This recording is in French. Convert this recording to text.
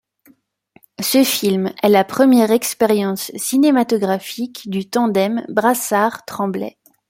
Ce film est la première expérience cinématographique du tandem Brassard-Tremblay.